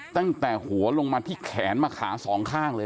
ตั้งแต่หัวลงมาที่แขนมาขาสองข้างเลย